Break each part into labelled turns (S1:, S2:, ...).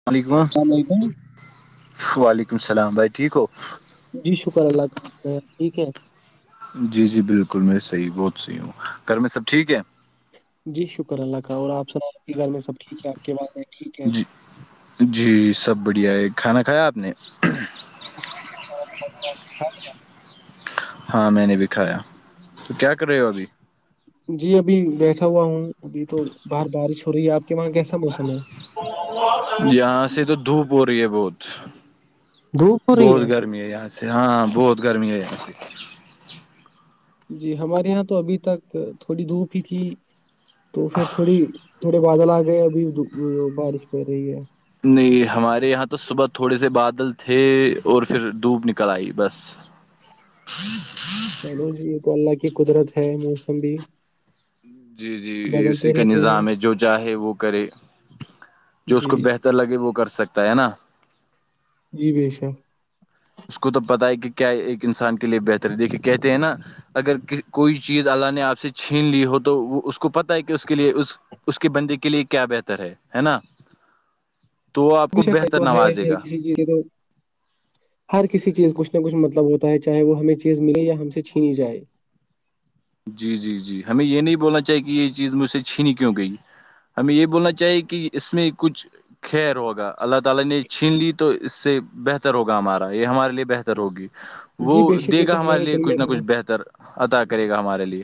S1: السلام علیکم
S2: السلام علیکم
S1: وعلیکم السلام بھائی ٹھیک ہو
S2: جی شکر اللہ ت ٹھیک ہے
S1: جی جی بالکل میں صحیح بہت صحیح ہوں گھر میں سب ٹھیک ہے
S2: جی شکر اللہ کا اور آپ سر آپ کے گھر میں سب ٹھیک ہے آپ کے ب ٹھیک ہے
S1: جی جی سب بڑھیا ہے کھانا کھایا آپ نے
S2: ج آپ نے کھ
S1: ہاں میں نے بھی کایا تو کیا کر رہے ہو ابھی
S2: جی ابھی بیٹھا ہوا ہوں ابھی تو باہر بارش ہو رہی ہے آپ کے وہاں کیسا موسم ہے
S1: یہاں سے تو دھوپ ہو رہی ہے بہت
S2: دھوپ ہو رہی
S1: بہت گرمی ہے یہاں سے ہاں بہت گرمی ہےئی ایسے
S2: جی ہمارے یہاں تو ابھی تک تھوڑی دھوپ ہی تھی تو پھر تھوڑی تھوڑے بادل آ گئے ابھی بارش پڑ رہی ہے
S1: نہیں ہمارے یہاں تو صبح تھوڑے سے بادل تھے اور پھر دوپ نکل آئی بس
S2: [unintelligible]
S1: [unintelligible]
S2: ملو جی یہ تو اللہ کی قدرت ہے موسم بھی
S1: جی جی
S2: بدلتے
S1: اسی کا
S2: رہتے ہیں
S1: نظام ہے جو چاہے وہ کرے جو اس
S2: جی
S1: کو بہتر لگے وہ کر سکتا ہے نا
S2: جی بھ شا
S1: اس کو تو پتاہ ہے کہ کیا ایک انسان کے لیے بہتر ہے دیکھیے کہتے ہیں نا اگر کوئی چیز اللہ نے آپ سے چھین لی ہو تو وہ اس کو پتہ ہے کہ اس کے لیے اس اس کی بندی کے لیے کیا بہتر ہے ہے نا تو وہ آپ
S2: اب
S1: کو
S2: شخا
S1: بہتر
S2: تو ہے
S1: نوازے گا
S2: کسی چیز تو ہر کسی چیز کھ نہ کچھ مطلب ہوتا ہے چاہے وہ ہمیں چیز ملے یا ہم سے چھینی جائے
S1: جی جی جی ہمیں یہ نہیں بولنا چاہی کہ یہ چیز مجھ سے چھینی کیوں گئی ہمیں یہ بولنا چاہیے کہ اس میں کچھ [unintelligible] وہ
S2: جی بے شک
S1: دے
S2: یہ
S1: گا
S2: تو
S1: ہمارے لیے
S2: دل میں
S1: کچھ نہ
S2: رہنا
S1: کچھ بہتر اطا کرے گا ہمارے لیے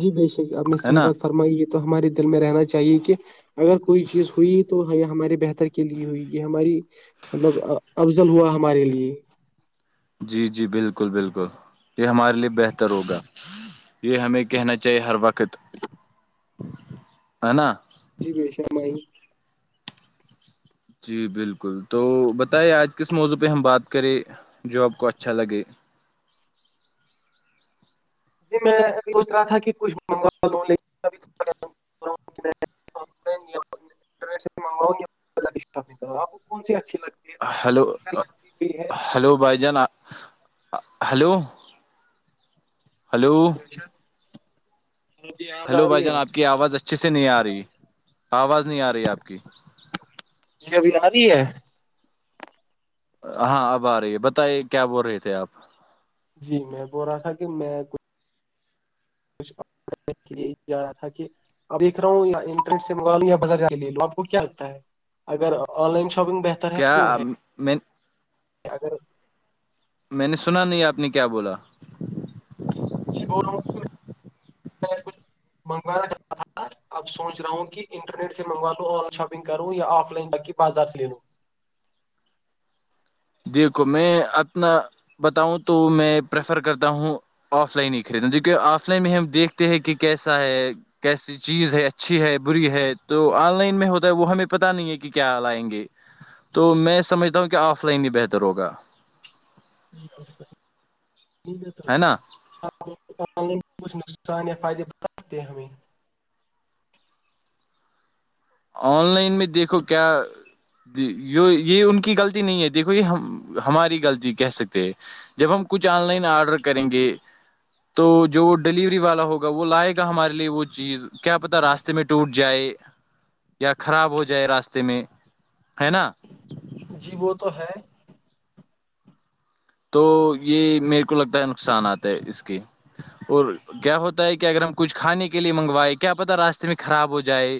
S2: جی بے شک آپ نے
S1: ہے
S2: صحیح
S1: نا
S2: بات فرمائی یہ تو ہمارے دل میں رہنا چاہیے کہ [unintelligible] اگر کوئی چیز ہوئی تو ہمارے بہتر کے لیے ہوئی گی ہماری مطلب افضل ہوا ہمارے لیے
S1: جی جی بالکل بالکل یہ ہمارے لیے بہتر ہوگا یہ ہمیں کہنا چاہیے ہر وقت ہے نا
S2: جی بے شرمائی [unintelligible]
S1: جی بالکل تو بتائے آج کس موضوع پہ ہم بات کریں جاب کو اچھا لگے
S2: جی میںبھی سوچ رہا تھا کہ کچھ منگوا لوں لیکن ابھیا ہوں میں انرٹ سے مگا آپ کون سی اچھی لگتی ہے [unintelligible]
S1: ہیلو
S2: لگتی کوئی ہے تو
S1: ہلو بھائی جان ہیلو
S2: جس
S1: ہلو بھائی جان آپ کی آواز اچھی سے نہیں آ رہی آواز نہیں آ رہی آپ کی
S2: جی ابھی آ رہی ہے [unintelligible]
S1: ہاں اب آ رہی ہے بتے کیا بول رہے تھے آپ
S2: جی میں بول رہا تھا کہ میں [unintelligible] نے کے لیے یہ جا رہا تھا کہ [unintelligible] ا دیکھ رہا ہ یا انٹرٹ سے مگا ل یا بازار ج لے لو آپ کو کیا لگتا ہے [unintelligible] اگر آن لائن شاپنگ ب [unintelligible]
S1: کیا میں
S2: اگر
S1: میں نے سنا نہیں آپ نے کیا بولا
S2: جی بول رہا ہوں کچھ منگوانا چاہ تھا [unintelligible] اب سوچ رہا ہوں کہ انٹرنیٹ سے منگوا لوں آن لائن شاپنگ کروں یا آف لائن تقی بازار سے لے لوں [unintelligible]
S1: دیکھو میں اپنا بتاؤں تو میں پریفر کرتا ہوں آف لائن ہی خریدنا جوکہ آف لائن میں ہم دیکھتے ہیں کہ کیسا ہے کیسی چیز ہے اچھی ہے بری ہے تو آن لائن میں ہوتا ہے وہ ہمیں پتہ نہیں ہے کہ کیا لائیں گے تو میں سمجھتا ہوں کہ آف لائن ہی بہتر ہوگا
S2: ٹھیک ہے [unintelligible]
S1: ہے نا
S2: سان فائدے د ہم [unintelligible]
S1: آن لائن میں دیکھو کیا جی یہ ان کی غلطی نہیں ہے دیکھو یہ ہم ہماری غلطی کہہ سکتے ہیں جب ہم کچھ آن لائن آرڈر کریں گے تو جو وہ ڈلیوری والا ہوگا وہ لائے گا ہمارے لیے وہ چیز کیا پتا راستے میں ٹوٹ جائے یا خراب ہو جائے راستے میں ہے نا
S2: جی وہ تو ہے [unintelligible]
S1: تو یہ میرے کو لگتا ہے نقصان آتا ہے اس کے اور کیا ہوتا ہے کہ اگر ہم کچھ کھانے کے لیے منگوائے کیا پتا راستے میں خراب ہو جائے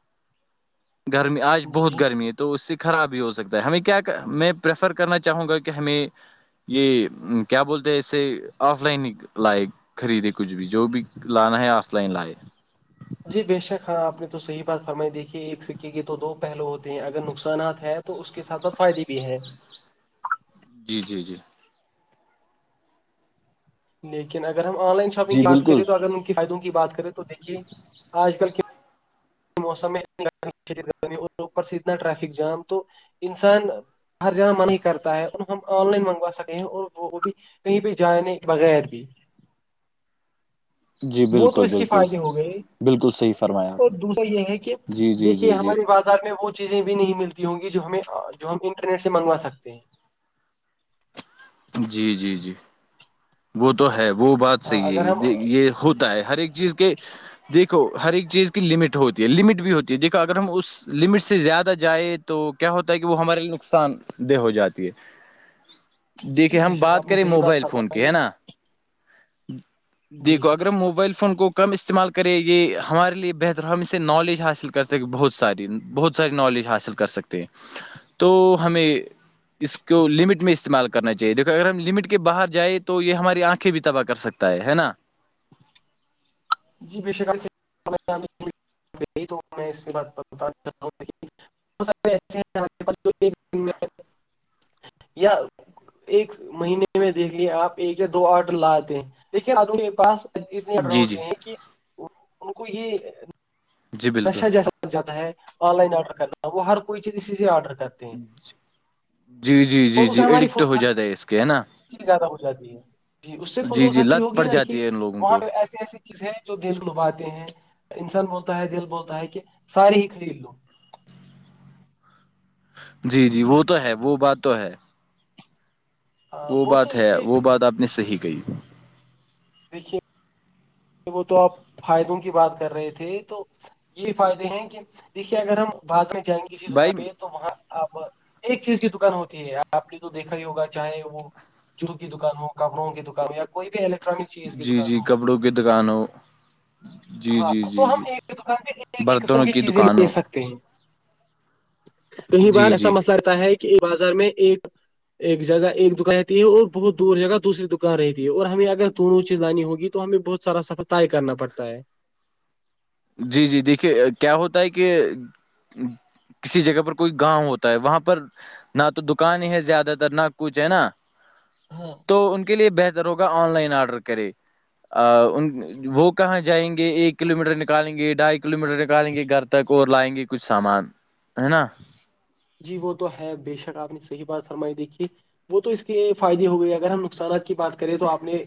S2: [unintelligible]
S1: گرمی آج
S2: جی
S1: بہت گرمی تو اس سے خراب بھی ہو سکتا ہے ہمیں کیا میں پریفر کرنا چاہوں گا کہ ہمیں یہ کیا بولتے ہیں اسے آف لائن لائق خریدے کچھ بھی جو بھی لانا ہے آف لائن لائے
S2: جی بے شک ہاں آپ نے تو صحیح بات فرمائی دیکھی ایک سکے کے تو دو پہلو ہوتے ہیں اگر نقصانات ہیں تو اس کے ساتھ ساتھ فائدے بھی ہے [unintelligible]
S1: جی جی جی
S2: لیکن اگر ہم آن لائن شاپنگ
S1: جی
S2: کی بات
S1: بالکل
S2: کریں تو اگر ان کے فائدوں کی بات کریں تو دیکھیے آج کل کیا موسم اوپر سے اتنا ٹریفک جام تو انسان [unintelligible] ہر جانا من ہی کرتا ہے اور ہم آن لائن منگوا سکے ہیں اور وہ بھی کہیں پہ جانے کے بغیر بھی
S1: جی
S2: وہ تو
S1: بالکل
S2: اس کے
S1: بالکل
S2: فائدے ہو گئے
S1: بالکل صحیح فرمایا آپ
S2: اور
S1: نے
S2: دوسر ہیں کہ
S1: جی جی
S2: دیکھیے
S1: جی جی
S2: ہماری بازار میں وہ چیزیں بھی نہیں ملتی ہوں گی جو ہمیں جو ہم انٹرنیٹ سے منگوا سکتے ہیں
S1: جی جی جی وہ تو ہے وہ بات صحیح
S2: اگر
S1: ہے
S2: ہم
S1: یہ ہوتا ہے ہر ایک چیز کے دیکھو ہر ایک چیز کی لمٹ ہوتی ہے لمٹ بھی ہوتی ہے دیکھو اگر ہم اس لمٹ سے زیادہ جائے تو کیا ہوتا ہے کہ وہ ہمارے لیے نقصان دہ ہو جاتی ہے
S2: جی
S1: دیکھیے ہم
S2: ابھیشک
S1: بات
S2: آپ نے
S1: کریں
S2: صحیح بات
S1: موبائل فون کی
S2: فرمائی
S1: ہے نا
S2: جی
S1: دیکھو اگر موبائل فون کو کم استعمال کرے یہ ہمارے لیے بہتر ہم اسے نالج حاصل کرتے بہت ساری بہت ساری نالج حاصل کر سکتے ہیں تو ہمیں اس کو لمٹ میں استعمال کرنا چاہیے دیکھ کہ اگر ہم لمٹ کے باہر جائیں تو یہ ہماری آنکھیں بھی تباہ کر سکتا ہے ہے نا
S2: [unintelligible] [unintelligible] [unintelligible] ایک مہینے میں دیکھ لیے آپ ایک یا دو آرڈر لاتے ہیں دیکھیے آد کے پاس اتنے ارڈر
S1: جی جی
S2: ہوتے ہیں کہ ان کو یہ
S1: جی بالکل
S2: نشہ جیسا لگ جاتا ہے آن لائن آرڈر کرنا وہ ہر کوئی چیز اسی سے آرڈر کرتا
S1: [inaudible] جی جی جی
S2: اور اسے
S1: جی
S2: ہماری
S1: ایڈکٹ ہو جاتا ہے اس کے ہے نا
S2: فوکس زیادہ ہو جاتی ہے جی اس سے
S1: جی
S2: فضول
S1: جی
S2: خرچی
S1: لت
S2: ہوگی
S1: پڑ
S2: نا دیکھی
S1: جاتی ہے ان لوگوں
S2: وہاں
S1: کو
S2: پہ ایسی ایسی چیز ہے جو دل لوبھاتے ہیں انسان بولتا ہے دل بولتا ہے کہ سارے ہی خرید لو
S1: جی جی وہ تو ہے وہ بات تو ہے
S2: ہاں
S1: وہ
S2: تو
S1: بات
S2: اس
S1: ہے
S2: کے
S1: وہ بات آپ نے صحیح کہی
S2: دیکھیے وہ تو آپ فائدوں کی بات کر رہے تھے تو یہ فائدے ہیں کہ دیکھیے اگر ہم باس میں جائیں گے کسی دوکان
S1: بھائی
S2: پہ تو وہاں آپ ایک چیز کی دوکان ہوتی ہے آپ نے تو دیکھا ہی ہوگا چاہے وہ جو کی دکان ہو کپڑوں کی دکان ہو یا کوئی بھی الیکٹرانک چیز کی
S1: جی
S2: دکان
S1: جی
S2: ہو
S1: کپڑوں کی دکان جی
S2: ہاں
S1: جی
S2: تو
S1: جی
S2: ہم
S1: جی
S2: ایک دوکان پہ ایک ہی قسم
S1: برتنوں
S2: کی چیزیں لے
S1: دکانوں
S2: سکتے ہیں کئی بار
S1: جی
S2: ایسا
S1: جی
S2: مسئلہ رہتا ہے کہ بازار میں ایک ایک جگہ ایک دکان رہتی ہے اور بہت دور جگہ دوسری دکان رہتی ہے اور ہمیں اگر دونوں چیزلانی ہوگی تو ہمیں بہت سارا سفر طے کرنا پڑتا ہے
S1: جی جی دیکھیے کیا ہوتا ہے کہ کسی جگہ پر کوئی گاؤں ہوتا ہے وہاں پر نہ تو دوکان ہے زیادہ تر نہ کچھ ہے نا
S2: ہاں
S1: تو ان کے لیے بہتر ہوگا آن لائن آرڈر کرے وہ کہاں جائیں گے ایک کلو میٹر نکل نکالیں گے ڈھائی کلو میٹر نکالیں گے گھر تک اور لائیں گے کچھ سامان ہے نا
S2: جی وہ تو ہے بےشک آپ نے صحیح بات فرمائی دیکھی وہ تو اس کے فائدی ہو گئی اگر ہم نقصانات کی بات کریں تو آپ نے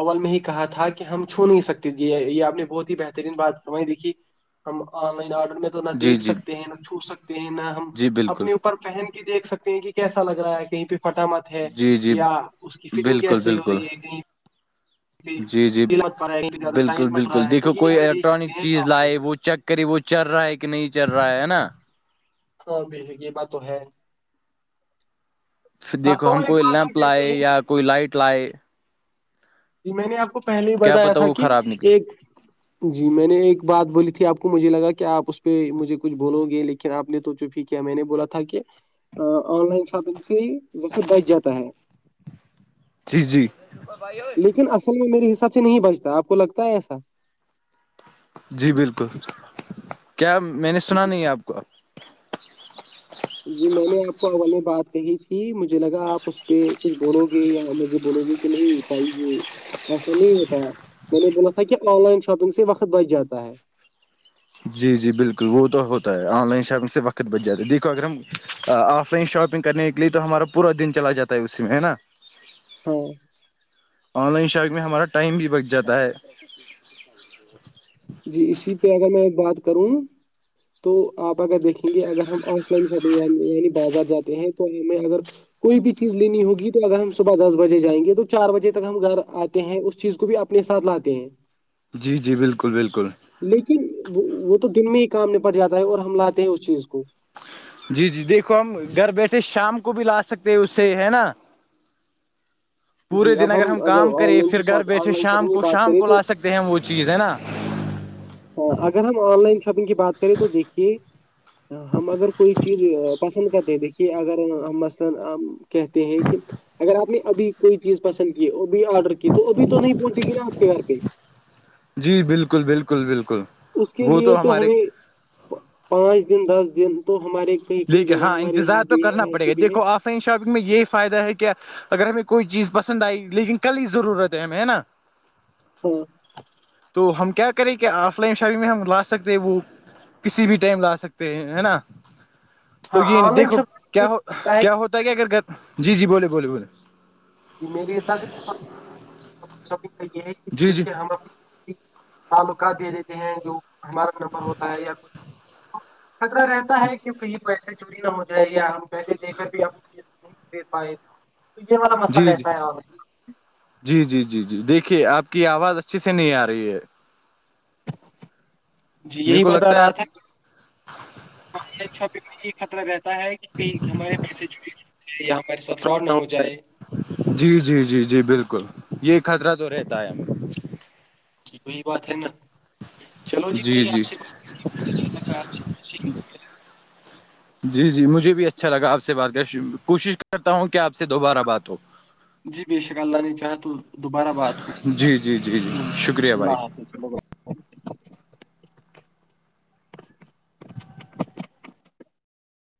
S2: اول میں ہی کہا تھا کہ ہم چھو نہیں سکتے یہ آپ نے بہت ہی بہترین بات کروائی دیکھی ہم آن لائن آڈر میں تو نہ
S1: جی
S2: دیکھ
S1: جی
S2: سکتے ہیں نہ چھو سکتے ہیں نہ ہم
S1: جی بالکل
S2: اپنے پہن کےیکھ سکتے ہیں کہ کیسا لگ رہا ہے کہیں پہ پھٹا مت ہے
S1: جی جی
S2: یا اس کی فٹنگ
S1: بالکل
S2: کیسی ہو
S1: بالکل
S2: رہی ہے کہیں جی دل کر رہا ہے زیادہ
S1: بالکل
S2: ٹائم مت رہا
S1: بالکل
S2: ہے تو
S1: دیکھو
S2: یہ ہم دیکھ سکتے ہیں آف لائن میں
S1: قریب وہ چل رہا ہے کہ نہیں چل رہا ہے نا
S2: ہاں بھی یہ بات تو ہے
S1: پھر
S2: ہاں
S1: دیکھو ہم
S2: اور ایک
S1: کوئی
S2: بات ہم
S1: لیمپ لائے
S2: کہتے ہیں کہ
S1: یا کوئی لائٹ لائے
S2: جی میں نے آپ کو پہلے ہی
S1: کیا
S2: بتایا
S1: پتا
S2: تھا
S1: وہ
S2: کہ
S1: خراب نکلے
S2: ایک جی میں نے ایک بات بولی تھی آپ کو مجھے لگا کہ آپ اس پہ مجھے کچھ بھولو گے لیکن ن آپ نے تو چپ ہی کیا میں نے بولا تھا کہ آن لائن شاپنگ سے ہی وقت بچ جاتا ہے
S1: جی جی
S2: لیکن اصل میں میرے حساب سے نہیں بچتا آپ کو لگتا ہے ایسا
S1: جی بالکل کیا میں نے سنا
S2: جی
S1: نہیں ہے آپ کو
S2: جی میں نے آپ کو اول میں بات کہی تھی مجھے لگا آپ اس پہ کچھ بولو گے یا مجھے بولو گے کہ نہیں بھائی ایسا نہیں ہوتا میں نے بولا تھا کہ آن لائن شاپنگ سے وقت بچ جاتا ہے
S1: جی جی بالکل وہ تو ہوتا ہے آن لائن شاپنگ سے وقت بچ جاتا ہے دیکھو اگر ہم آف لائن شاپنگ کرنے کے لیے تو ہمارا پورا دن چلا جاتا ہے اس میں ہے نا
S2: [inaudible] ہاں
S1: آن لائن شاپ میں ہمارا ٹائم بھی بچ جاتا ہے
S2: جی اسی پہ اگر میں بات کروں تو آپ اگر دیکھیں گے اگر ہم آن لائن شاپنگ یعنی بازار جاتے ہیں تو ہمیں اگر کوئی بھی چیز لینی ہوگی تو اگر ہم صبح دس بجے جائیں گے تو چار بجے تک ہم گھر آ ہیں اس چیز کو بھی اپنے ساتھ لاتے ہیں
S1: جی جی بالکل بالکل
S2: لیکن وہ تو دن میں ہی کام ن پٹ جاتا ہے اور ہم لاتے ہیں اس چیز کو
S1: جی جی دیکھو ہم گھر بیٹھے شام کو بھی لا سکتے ہیں اس سے ہے نا پورے
S2: جی
S1: دن
S2: اب
S1: اگر ہم کام
S2: آن
S1: کرے
S2: لائن کی
S1: پھر گھر
S2: شاپ
S1: بیٹھے
S2: آن لائن
S1: شام
S2: شاپنگ کی
S1: کو
S2: بات
S1: شام
S2: کریں
S1: کو
S2: تو
S1: لا سکتے ہیں وہ چیز ہے نا
S2: ہاں اگر ہم آن لائن شاپنگ کی بات کریں تو دیکھیے ہم اگر کوئی چیز پسند کرتے دیکھیے اگر مثلا کہتے ہیں کہ اگر آپ نے ابھی کوئی چیز پسند کی اب بھی آرڈر کی تو ابھی تو نہیں پہنچے گی نا آپ کے گھر پہ
S1: جی بالکل بالکل بالکل
S2: اس کے
S1: وہ
S2: لیے تو
S1: ہمارے
S2: ہمیں پانچ دن دس دن تو ہمارے کئی کئی
S1: لیکن
S2: جگہ
S1: ہاں
S2: ہمارے یہاں
S1: انتظار تو
S2: بھی
S1: کرنا
S2: ہے
S1: پڑے
S2: ایسی
S1: گا
S2: بھی ہے
S1: دیکھو آف لائن شاپنگ میں یہی فائدہ ہے کیا اگر ہمیں کوئی چیز پسند آئی لیکن کل ہی ضرورت ہے ہمیں ہے نا
S2: ہاں
S1: تو ہم کیا کریں کہ آف لائن شاپنگ میں ہم لا سکتے ہیں وہ کسی بھی ٹائم لا سکتے ہیں ہے نا تو
S2: ہاں
S1: یہ نہیں
S2: آن لائن
S1: دیکھو
S2: شاپنگ
S1: کیا ہو
S2: لگتا ہے
S1: کیا ہوتا کیا اگر
S2: کہ
S1: جی جی بولے بولے بولے
S2: ج میرے حساب سے شق یہ ہے کہ
S1: جی جی
S2: کیونکہ ہم اپنی تعلقات دے دیتے ہیں جو ہمارا نمبر ہوتا ہے یا کچ خطر رہتا ہے کہ کہیں پیسے چوری نہ ہو جائے یا ہم پیسے دے کر بھی ہم چز نہیں د پائے تھے تو یہ مطلب
S1: جی جی جی جی جی جی دیکھیے آپ کی آواز اچھی سے نہیں آ رہی ہے
S2: جی
S1: میرے
S2: یہی
S1: کو
S2: بتا
S1: لگتا ہے
S2: رہا
S1: آپ
S2: تھا خطرہ رہتا ہے کہ ہمارے پیسے جوڑے ج یا ہمارے ساتھ فراڈ نہ ہو جائے
S1: جی جی جی جی بالکل یہ خطرہ تو رہتا ہے ہم
S2: جی وہی بات ہے نا چلو جی بھائی آپ سے بات
S1: جی جی مجھے بھی اچھا لگا آپ سے بات کر کوشش کرتا ہوں کہ آپ سے دوبارہ بات ہو
S2: جی بے شکار اللہ نہیں چاہا تو دوبارہ بات ہو
S1: جی جی جی جی شکریہ بھائی
S2: چو